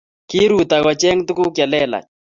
kiruto kocheny tukuk chelelach